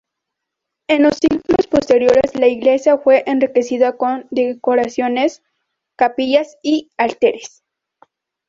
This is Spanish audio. En los siglos posteriores, la iglesia fue enriquecida con decoraciones, capillas y altares.